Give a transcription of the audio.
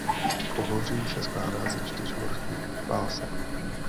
Pohoří se skládá ze čtyř horských pásem.